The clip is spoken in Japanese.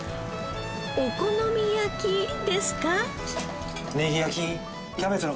お好み焼きですか？